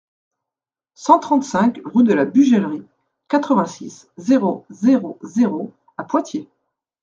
cent trente-cinq rue de la Bugellerie, quatre-vingt-six, zéro zéro zéro à Poitiers